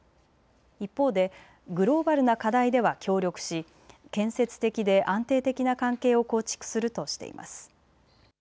一方でグローバルな課題では協力し建設的で安定的な関係を構築するとしています。